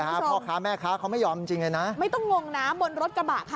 มันมันไม่ได้พาไปหาหรือไม่พาไปหาชารวัสคะ